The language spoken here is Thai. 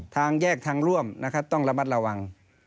ทางแยกทางร่วมต้องระมัดระวัง